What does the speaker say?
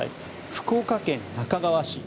福岡県那珂川市